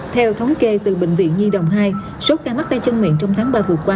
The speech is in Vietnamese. theo thống kê từ bệnh viện nhi đồng hai số ca mắc tay chân miệng trong tháng ba vừa qua